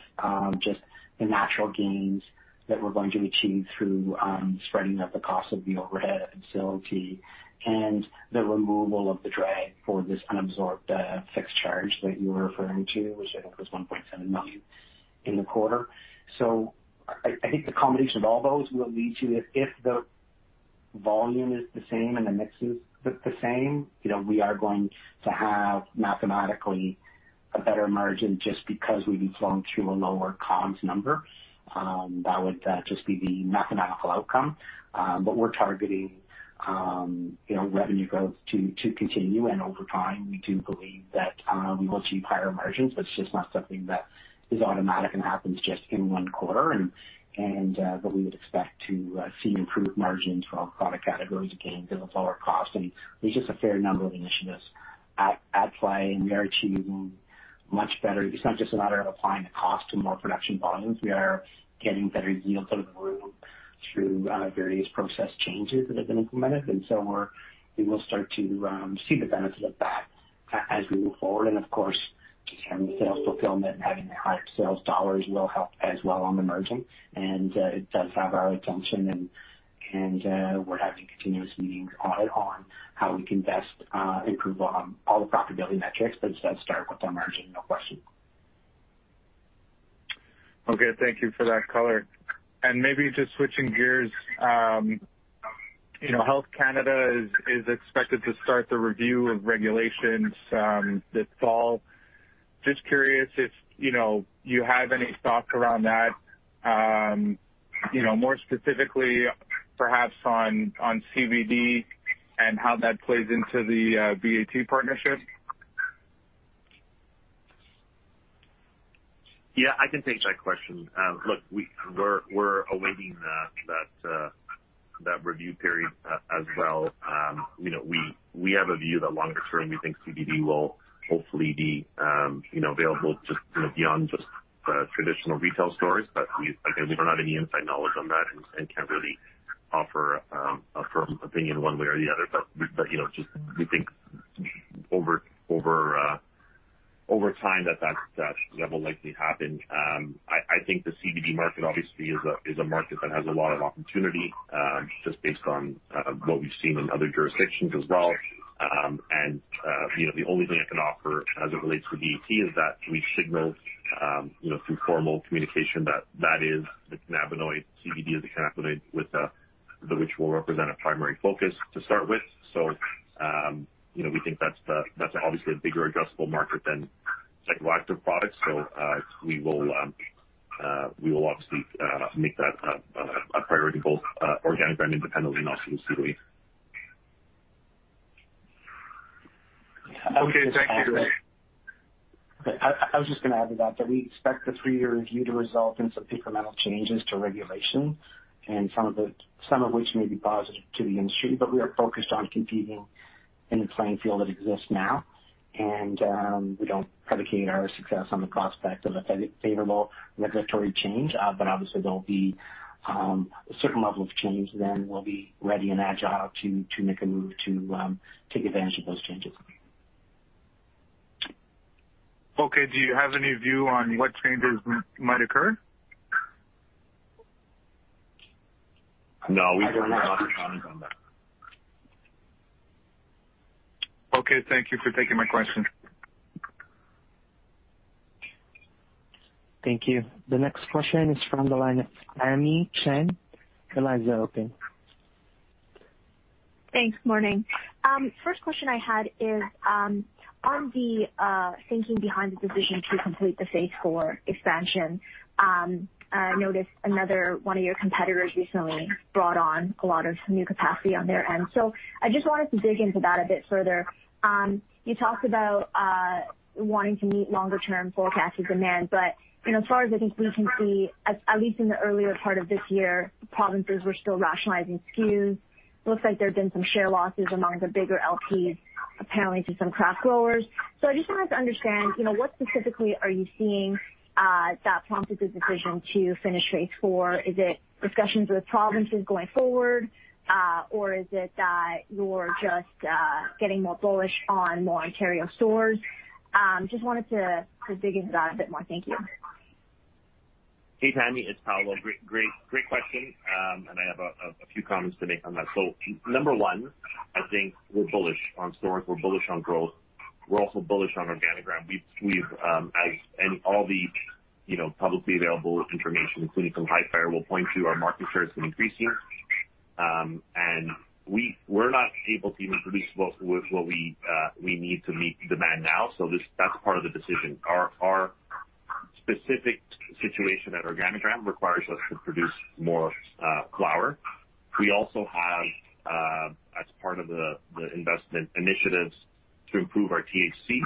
just the natural gains that we're going to achieve through spreading out the cost of the overhead facility and the removal of the drag for this unabsorbed fixed charge that you were referring to, which I think was 1.7 million in the quarter. I think the combination of all those will lead to if the volume is the same and the mix is the same. We are going to have mathematically a better margin just because we've gone to a lower COGS number. That would just be the mathematical outcome. We're targeting revenue growth to continue, and over time, we do believe that we will achieve higher margins. That's just not something that is automatic and happens just in one quarter. We would expect to see improved margins across product categories again given the lower cost. There's just a fair number of initiatives at play, and we are achieving much better. It's not just a matter of applying cost to more production volumes. We are getting better yield out of the room through various process changes that have been implemented, and so we will start to see the benefit of that as we move forward. Of course, having sales fulfillment and higher sales dollars will help as well on the margin. It does have our attention, and we're happy to continue to lean hard on how we can best improve on all the profitability metrics. Start with our margin. No question. Okay, thank you for that color. Maybe just switching gears. Health Canada is expected to start the review of regulations this fall. Just curious if you have any thoughts around that, more specifically perhaps on CBD and how that plays into the BAT partnership. Yeah, I can take that question. Look, we're awaiting that review period as well. Again, we don't have any inside knowledge on that and can't really offer a firm opinion one way or the other. We think over time that that's likely to happen. I think the CBD market obviously is a market that has a lot of opportunity, just based on what we've seen in other jurisdictions as well. The only thing I can offer as it relates to BAT is that we signaled through formal communication that is the cannabinoid CBD is the cannabinoid with which we'll represent a primary focus to start with. We think that's obviously a bigger addressable market than psychoactive products. We will obviously make that a priority, both OrganiGram independently and obviously with BAT. Okay, thank you. I was just going to add to that we expect the three year review to result in some fundamental changes to regulation. Some of which may be positive to the industry. We are focused on competing in the playing field that exists now. We don't predicate our success on the prospect of a favorable regulatory change. Obviously, there will be a certain level of change. We will be ready and agile to make a move to take advantage of those changes. Okay. Do you have any view on what changes might occur? No, we don't have any comments on that. Okay. Thank you for taking my question. Thank you. The next question is from the line of Tammy Chen. Your line is open. Thanks. Morning. First question I had is on the thinking behind the decision to complete the Phase 4 expansion. I noticed another one of your competitors recently brought on a lot of new capacity on their end. I just wanted to dig into that a bit further. You talked about wanting to meet longer-term forecasted demand, but as far as I think we can see, at least in the earlier part of this year, provinces were still rationalizing SKUs. Looks like there's been some share losses among the bigger LPs, apparently to some craft growers. I just wanted to understand what specifically are you seeing that prompted the decision to finish Phase 4. Is it discussions with provinces going forward, or is it that you're just getting more bullish on more Ontario stores? Just wanted to dig into that a bit more. Thank you. Hey, Tammy, it's Paolo. Great question. I have a few comments to make on that. Number one, I think we're bullish on stores, we're bullish on growth. We're also bullish on OrganiGram. All the publicly available information, including from Hifyre, will point to our market share has been increasing. We're not able to even produce what we need to meet demand now. That's part of the decision. Our specific situation at OrganiGram requires us to produce more flower. We also have, as part of the investment initiatives, to improve our THC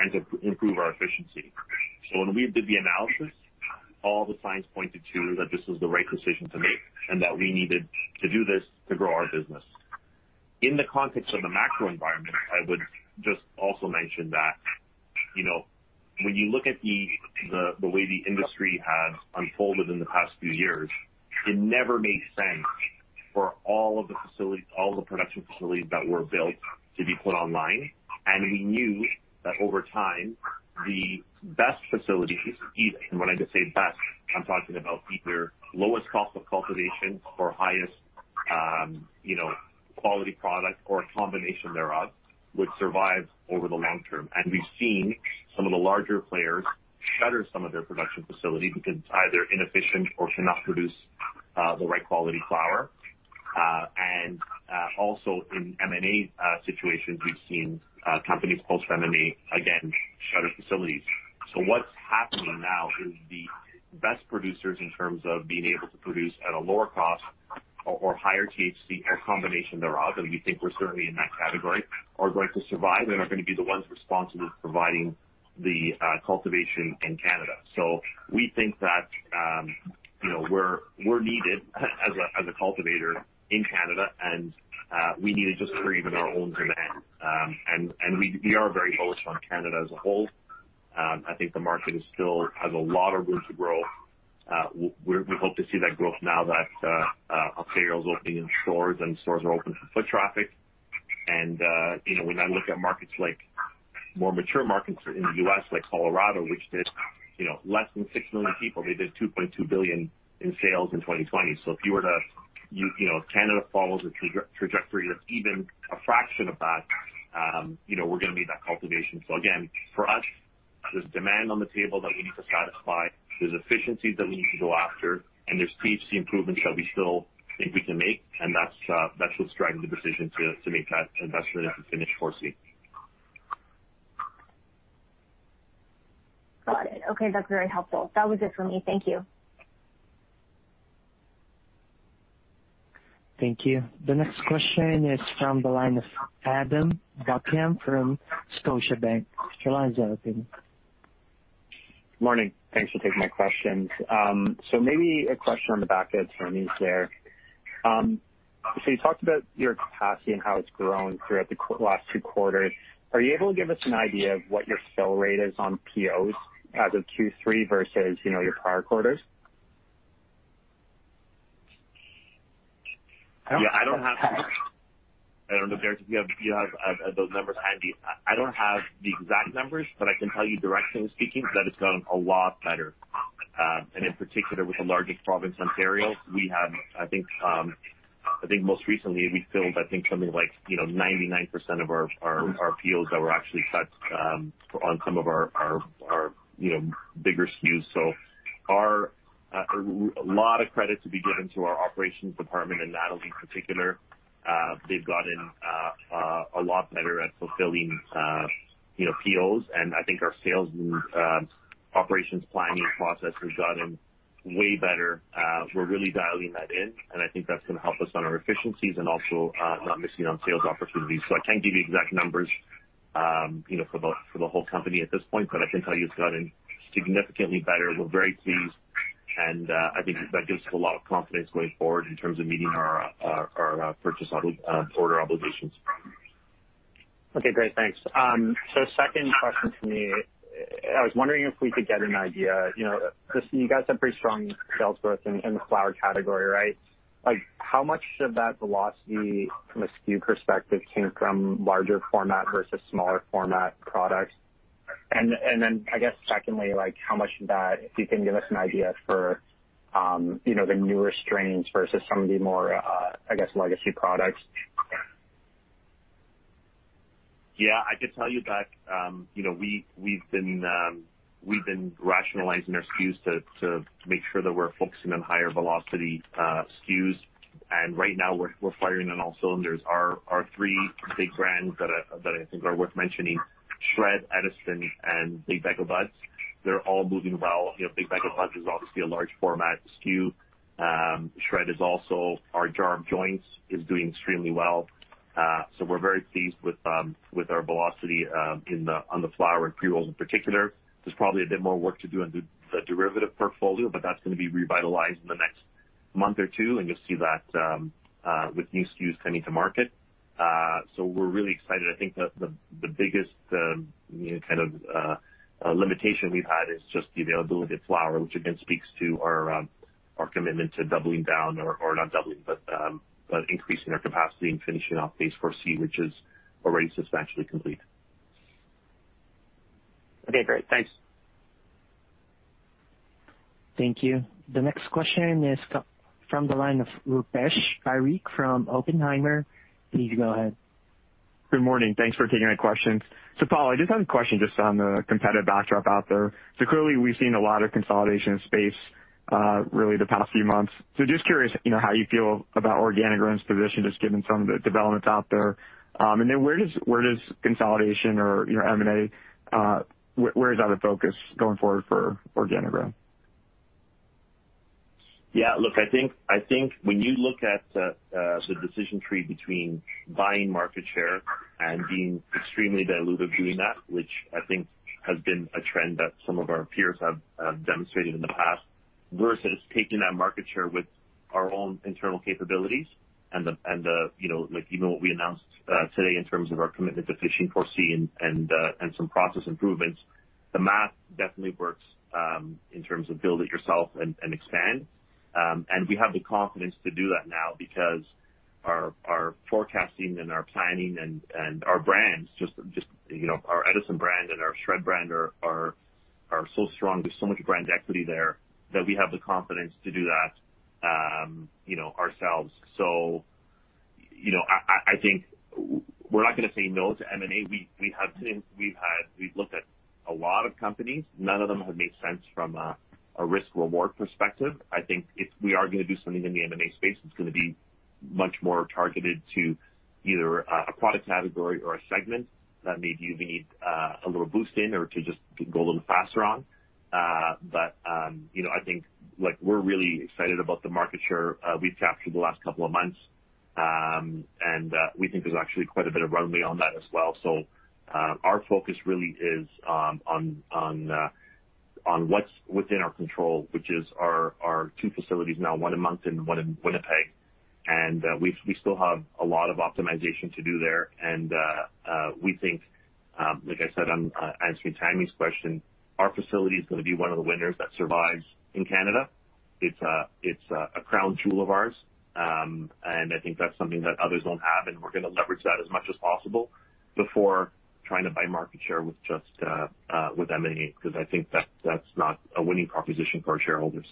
and to improve our efficiency. When we did the analysis, all the signs pointed to that this was the right decision to make and that we needed to do this to grow our business. In the context of the macro environment, I would just also mention that when you look at the way the industry has unfolded in the past few years, it never made sense for all of the production facilities that were built to be put online. We knew that over time, the best facilities, and when I say best, I'm talking about either lowest cost of cultivation or highest quality product or a combination thereof, would survive over the long term. We've seen some of the larger players shutter some of their production facilities because they're inefficient or cannot produce the right quality flower. Also in M&A situations, we've seen companies pull from M&A, again, shutter facilities. What's happening now is the best producers in terms of being able to produce at a lower cost or higher THC, a combination thereof, and we think we're certainly in that category, are going to survive and are going to be the ones responsible for providing the cultivation in Canada. We think that we're needed as a cultivator in Canada, and we need it just for even our own demand. We are very focused on Canada as a whole. I think the market still has a lot of room to grow. We hope to see that growth now that Ontario is opening in stores and stores are open to foot traffic. When I look at more mature markets in the U.S., like Colorado, which did less than 6 million people, they did 2.2 billion in sales in 2020. If Canada follows the trajectory of even a fraction of that, we're going to meet that cultivation. Again, for us, there's demand on the table that we need to satisfy. There's efficiencies that we need to go after, and there's THC improvements that we still think we can make. That's what's driving the decision to make that investment in phase IV-c. Got it. Okay. That's very helpful. That was it for me. Thank you. Thank you. The next question is from the line of Adam Buckham from Scotiabank. Your line's open. Morning. Thanks for taking my questions. Maybe a question on the back of Tammy's there. You talked about your capacity and how it's grown throughout the last two quarters. Are you able to give us an idea of what your fill rate is on POs as of Q3 versus your prior quarters? Yeah, I don't have those numbers. I don't have the exact numbers, but I can tell you directionally speaking, that it's going a lot better. In particular with the largest province, Ontario, I think most recently we filled I think something like 99% of our POs that were actually set on some of our bigger SKUs. A lot of credit to be given to our operations department and Nathalie in particular. They've gotten a lot better at fulfilling POs. I think our sales and operations planning process has gotten way better. We're really dialing that in. I think that's going to help us on our efficiencies and also not missing on sales opportunities. I can't give you exact numbers for the whole company at this point, but I can tell you it's gotten significantly better. We're very pleased. I think that gives us a lot of confidence going forward in terms of meeting our purchase order obligations. Okay, great. Thanks. second question for me, I was wondering if we could get an one idea. You guys have pretty strong sales growth in the flower category, right? How much of that velocity from a SKU perspective came from larger format versus smaller format products? I guess secondly, how much of that, if you can give us an one idea for the newer strains versus some of the more, I guess, legacy products. Yeah, I can tell you that we've been rationalizing our SKUs to make sure that we're focusing on higher velocity SKUs. Right now we're firing on all cylinders. Our three big brands that I think are worth mentioning, SHRED, Edison, and Big Bag o' Buds, they're all moving well. Big Bag o' Buds is obviously a large format SKU. SHRED is also. Our Jar of Joints is doing extremely well. We're very pleased with our velocity on the flower and pre-rolls in particular. There's probably a bit more work to do on the derivative portfolio, but that's going to be revitalized in the next month or two, and you'll see that with new SKUs coming to market. We're really excited. I think the biggest limitation we've had is just the availability of flower, which again speaks to our commitment to doubling down, or not doubling, but increasing our capacity and finishing off phase IV-c, which is already substantially complete. Okay, great. Thanks. Thank you. The next question is from the line of Rupesh Parikh from Oppenheimer. Please go ahead. Good morning. Thanks for taking my questions. Paolo, I just have a question just on the competitive backdrop out there. Clearly we've seen a lot of consolidation in the space really the past few months. Just curious how you feel about OrganiGram's position, just given some of the developments out there. Where does consolidation or M&A, where is that a focus going forward for OrganiGram? Yeah, look, I think when you look at the decision tree between buying market share and being extremely dilutive doing that, which I think has been a trend that some of our peers have demonstrated in the past, versus taking that market share with our own internal capabilities and like even what we announced today in terms of our commitment to finishing 4C and some process improvements, the math definitely works in terms of build it yourself and expand. We have the confidence to do that now because our forecasting and our planning and our brands, our Edison brand and our SHRED brand are so strong. There's so much brand equity there that we have the confidence to do that ourselves. I think we're not going to say no to M&A. We've looked at a lot of companies. None of them have made sense from a risk-reward perspective. I think if we are going to do something in the M&A space, it's going to be much more targeted to either a product category or a segment that maybe we need a little boost in or to just go a little faster on. I think we're really excited about the market share we've captured the last couple of months, and we think there's actually quite a bit of runway on that as well. Our focus really is on what's within our control, which is our two facilities now, one in Moncton and one in Winnipeg. We still have a lot of optimization to do there. We think, like I said, I'm answering Tammy's question, our facility is going to be one of the winners that survives in Canada. It's a crown jewel of ours. I think that's something that others don't have, and we're going to leverage that as much as possible before trying to buy market share with M&A, because I think that's not a winning proposition for our shareholders.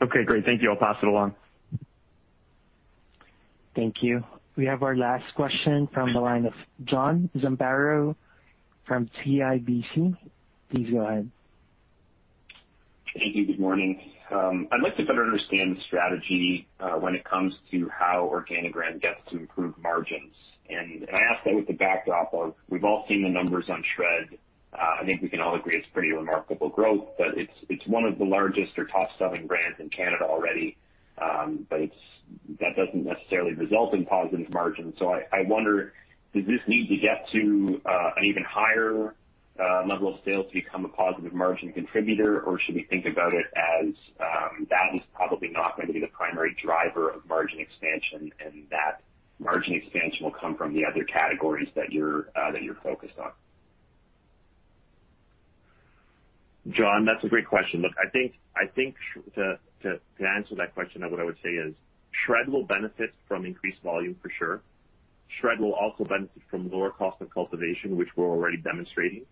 Okay, great. Thank you. I'll pass it along. Thank you. We have our last question from the line of John Zamparo from CIBC. Please go ahead. Thank you. Good morning. I'd like to better understand the strategy when it comes to how OrganiGram gets to improved margins. I ask that with the backdrop of we've all seen the numbers on SHRED. I think we can all agree it's pretty remarkable growth, but it's one of the largest or top-selling brands in Canada already. That doesn't necessarily result in positive margins. I wonder, does this need to get to an even higher level of sales to become a positive margin contributor? Should we think about it as that is probably not going to be the primary driver of margin expansion, and that margin expansion will come from the other categories that you're focused on. John, that's a great question. Look, I think to answer that question, what I would say is SHRED will benefit from increased volume for sure. SHRED will also benefit from lower cost of cultivation, which we're already demonstrating.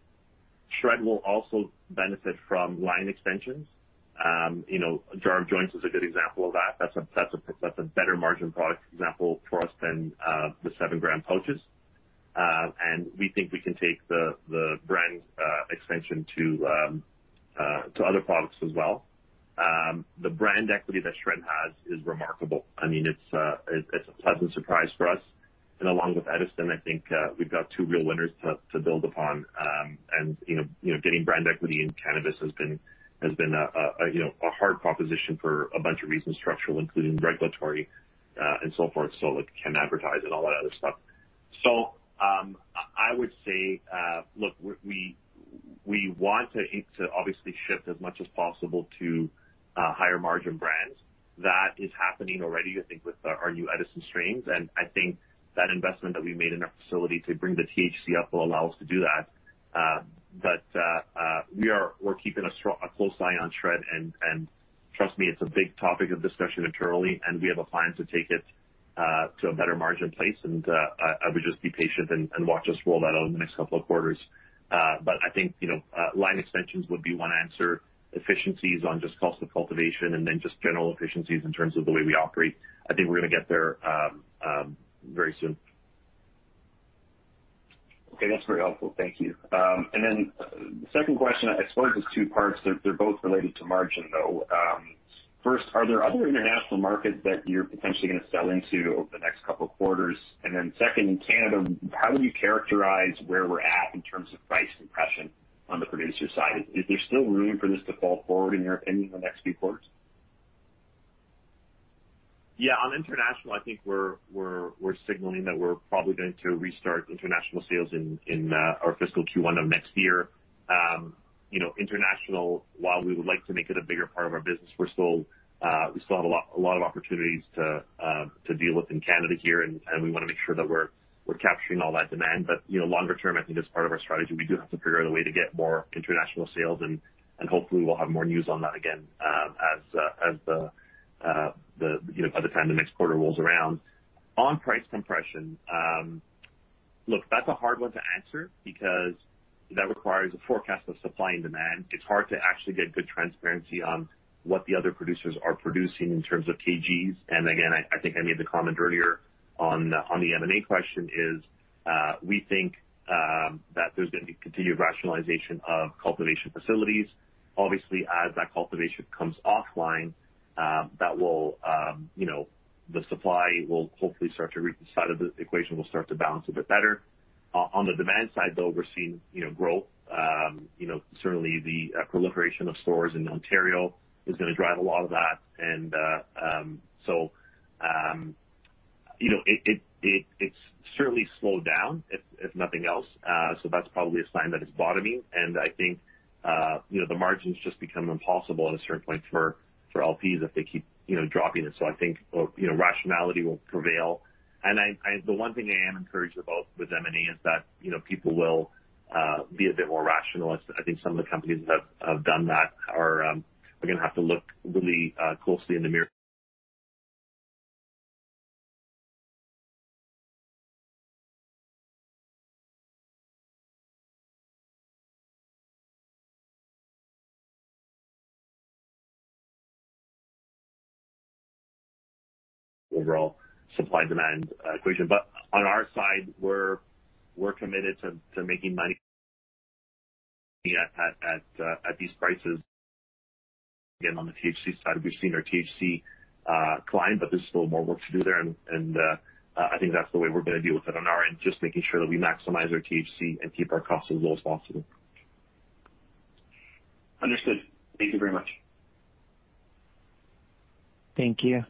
SHRED will also benefit from line extensions. Jar of Joints is a good example of that. That's a better margin product example for us than the 7 g pouches. We think we can take the brand extension to other products as well. The brand equity that SHRED has is remarkable. It's a pleasant surprise for us. Along with Edison, I think we've got two real winners to build upon. Getting brand equity in cannabis has been a hard proposition for a bunch of reasons, structural, including regulatory and so forth, so we can advertise it, all that other stuff. I would say, look, we want to obviously shift as much as possible to higher-margin brands. That is happening already, I think, with our new Edison strains, and I think that investment that we made in our facility to bring the THC up will allow us to do that. We're keeping a close eye on SHRED, and trust me, it's a big topic of discussion internally, and we have a plan to take it to a better margin place, and I would just be patient and watch us roll that out in the next couple of quarters. I think line extensions would be one answer, efficiencies on just cost of cultivation, and then just general efficiencies in terms of the way we operate. I think we're going to get there very soon. Okay. That's very helpful. Thank you. The second question, I suppose it's two parts. They're both related to margin, though. First, are there other international markets that you're potentially going to sell into over the next couple of quarters? Second, in Canada, how would you characterize where we're at in terms of price compression on the producer side? Is there still room for this to fall forward in here in the next few quarters? Yeah, on international, I think we're signaling that we're probably going to restart international sales in our fiscal Q1 of next year. International, while we would like to make it a bigger part of our business, we still have a lot of opportunities to deal with in Canada here, and we want to make sure that we're capturing all that demand. Longer term, I think as part of our strategy, we do have to figure out a way to get more international sales, and hopefully we'll have more news on that again by the time the next quarter rolls around. On price compression, look, that's a hard one to answer because that requires a forecast of supply and demand. It's hard to actually get good transparency on what the other producers are producing in terms of kgs. Again, I think I made the comment earlier on the M&A question is, we think that there's going to be continued rationalization of cultivation facilities. Obviously, as that cultivation comes offline, the supply will hopefully start to reach, the side of the equation will start to balance a bit better. On the demand side, though, we're seeing growth. Certainly the proliferation of stores in Ontario is going to drive a lot of that. It's certainly slowed down, if nothing else. That's probably a sign that it's bottoming. I think the margins just become impossible at a certain point for LPs if they keep dropping. I think rationality will prevail. The one thing I am encouraged about with M&A is that people will be a bit more rational. I think some of the companies that have done that are going to have to look really closely in the mirror overall supply-demand equation. On our side, we're committed to making money at these prices. Again, on the THC side, we've seen our THC decline, but there's still more work to do there, and I think that's the way we're going to deal with it on our end, just making sure that we maximize our THC and keep our costs as low as possible. Understood. Thank you very much. Thank you.